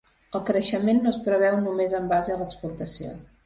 El creixement no es preveu només en base a l’exportació.